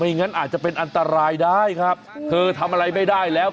งั้นอาจจะเป็นอันตรายได้ครับเธอทำอะไรไม่ได้แล้ว